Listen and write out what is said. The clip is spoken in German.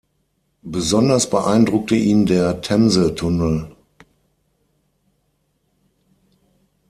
Besonders beeindruckte ihn der Themse-Tunnel.